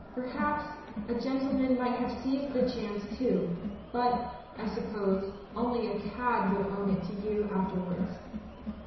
Perhaps, a gen tleman might have seized the chance, too, but, I suppose, only a cad would own it to you after wards.